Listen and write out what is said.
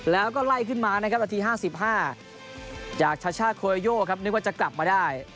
แล้วก็ไล่ขึ้นมานะครับนาที๕๕จากชาช่าโคโยโยครับนึกว่าจะกลับมาได้